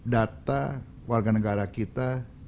data warga negara kita